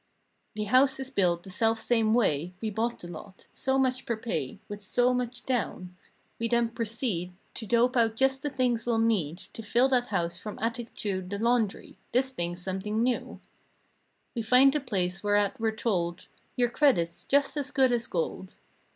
The house is built the self same way We bought the lot—so much per pay, With so much down. We then proceed To dope out just the things we'll need To fill that house from attic to The laundry (this thing's something new) We find the place whereat we're told— "Your credit's just as good as gold!"